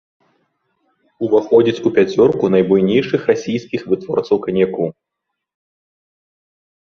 Уваходзіць у пяцёрку найбуйнейшых расійскіх вытворцаў каньяку.